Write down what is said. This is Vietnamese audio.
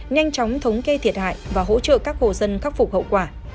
nhanh chóng thống kê thiệt hại và hỗ trợ các hộ dân khắc phục hậu quả